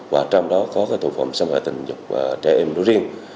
và trong đó có tội phạm xâm hại tình dục trẻ em đối riêng